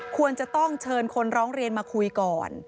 ควรจะต้องเชิญคนร้องเรียนมาคุยก่อน